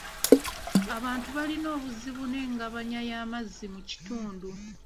Abantu balina obuzibu n'engabanya y'amazzi mu kitundu .